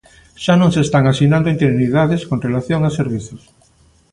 Xa non se están asinando interinidades con relación a servizos.